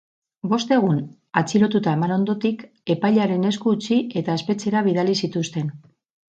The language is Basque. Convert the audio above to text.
Bost egun atxilotuta eman ondotik, epailearen esku utzi eta espetxera bidali zituzten.